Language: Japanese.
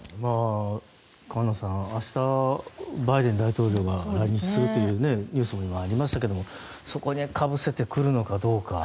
菅野さん、明日バイデン大統領が来日するというニュースもありましたけどそこにかぶせてくるのかどうか。